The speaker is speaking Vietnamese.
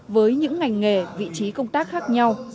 với những ngành nghề vị trí công tác khác nhau